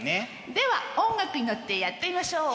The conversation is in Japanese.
では音楽に乗ってやってみましょう。